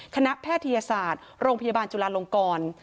แพทยศาสตร์โรงพยาบาลจุลาลงกร